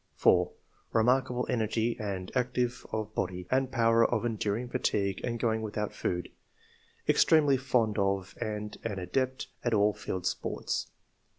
4. " Kemarkable energy and activity of body, and power of enduring fatigue and going without food. Extremely fond of and an adept at all field sports.